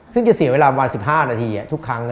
ซึ่งจะเสียเวลาประมาณ๑๕นาทีทุกครั้ง